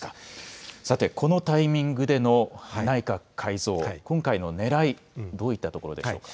さてこのタイミングでの内閣改造、今回のねらい、どういったところでしょうか。